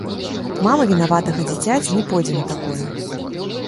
Мама вінаватага дзіцяці не пойдзе на такое.